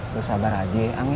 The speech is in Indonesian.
lu sabar aja ya ang ya